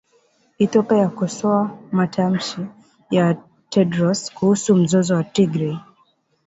Ethiopia yakosoa matamshi ya Tedros kuhusu mzozo wa Tigray